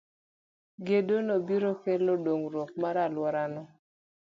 Gedo no biro kelo dongruok mar alworano.